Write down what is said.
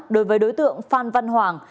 đối với đối tượng phan văn hoàng